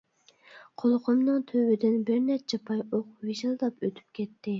قۇلىقىمنىڭ تۈۋىدىن بىر نەچچە پاي ئوق ۋىژىلداپ ئۆتۈپ كەتتى.